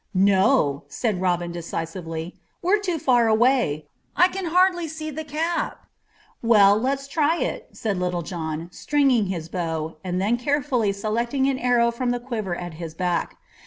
"No," said Robin decisively; "we're too far away. I can hardly see the cap." "Well, let's try," said Little John, stringing his bow, and then carefully selecting an arrow from the quiver at his back.